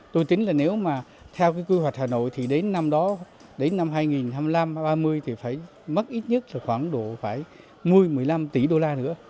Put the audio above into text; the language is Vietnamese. tôi tính là nếu mà theo cái quy hoạch hà nội thì đến năm đó đến năm hai nghìn hai mươi năm hai nghìn ba mươi thì phải mất ít nhất khoảng độ phải một mươi một mươi năm tỷ đô la nữa